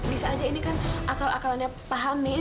bisa aja ini kan akal akalannya pak hamid